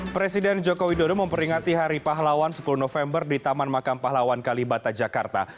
presiden joko widodo memperingati hari pahlawan sepuluh november di taman makam pahlawan kalibata jakarta